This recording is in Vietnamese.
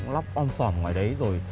lóc ong sòm ngoài đấy rồi